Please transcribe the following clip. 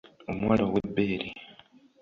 Omuwala ow'ebbeere.